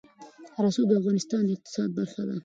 رسوب د افغانستان د اقتصاد برخه ده.